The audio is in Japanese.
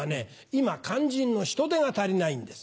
今肝心の人手が足りないんです。